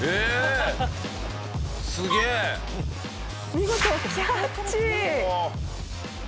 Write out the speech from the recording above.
見事キャッチ！